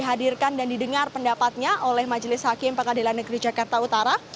dihadirkan dan didengar pendapatnya oleh majelis hakim pengadilan negeri jakarta utara